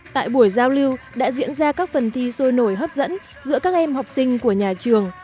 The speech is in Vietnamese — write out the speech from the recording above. tại buổi giao lưu đã diễn ra các phần thi sôi nổi hấp dẫn giữa các em học sinh của nhà trường